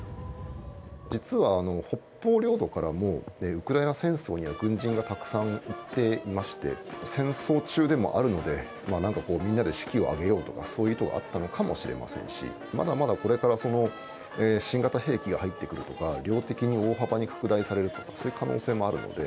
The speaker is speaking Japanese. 実は北方領土からもウクライナ戦争には軍人がたくさん行っていまして戦争中でもあるのでみんなで士気を上げようとかそういう意図はあったのかもしれませんしまだまだこれから新型兵器が入ってくるとか量的に大幅に拡大されるとかそういう可能性もあるので。